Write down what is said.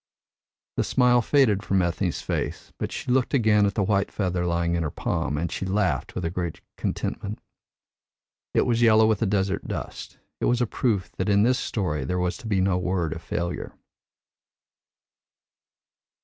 The smile faded from Ethne's face, but she looked again at the white feather lying in her palm, and she laughed with a great contentment. It was yellow with the desert dust. It was a proof that in this story there was to be no word of failure.